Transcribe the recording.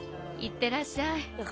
いってらっしゃい。